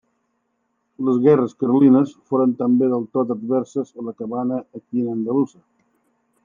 Les guerres carlines foren també del tot adverses a la cabana equina andalusa.